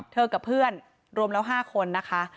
กับเพื่อนรวมแล้ว๕คนนะคะ